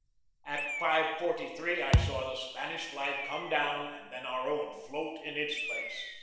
At 5.43 I saw the Spanish flag come down and then our own float in its place.